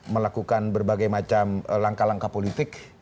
melakukan berbagai macam langkah langkah politik